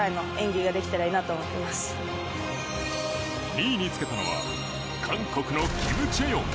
２位につけたのは韓国のキム・チェヨン。